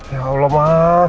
ya allah ma